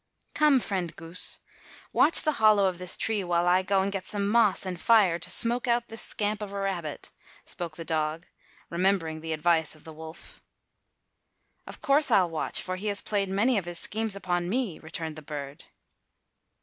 "Come, friend goose, watch the hollow of this tree while I go and get some moss and fire to smoke out this scamp of a rabbit," spoke the dog, remembering the advice of the wolf. "Of course I'll watch, for he has played many of his schemes upon me," returned the bird.